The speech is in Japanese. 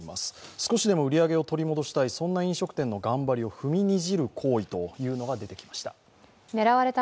少しでも売り上げを取り戻したい、そんな飲食店の頑張りを踏みにじる行為が出てきました。